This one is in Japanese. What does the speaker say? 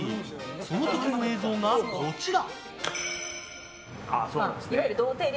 その時の映像がこちら。